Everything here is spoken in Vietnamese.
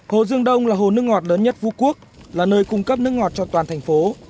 hồ dương đông là hồ nước ngọt lớn nhất phú quốc là nơi cung cấp nước ngọt cho toàn thành phố